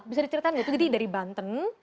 bisa diceritain itu jadi dari banten